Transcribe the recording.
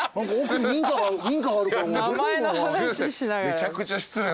めちゃくちゃ失礼。